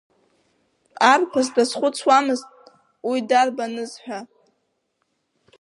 Арԥыс дазхәыцуамызт уи дарбаныз ҳәа.